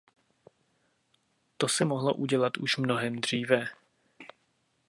To se mohlo udělat už mnohem dříve.